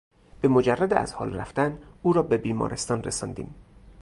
به مجرد از حال رفتن او را به بیمارستان رساندیم.